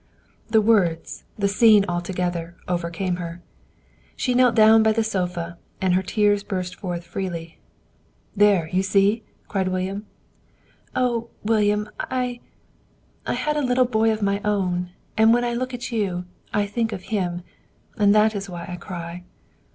The words, the scene altogether, overcame her. She knelt down by the sofa, and her tears burst forth freely. "There! You see!" cried William. "Oh, William, I I had a little boy of my own, and when I look at you, I think of him, and that is why I cry."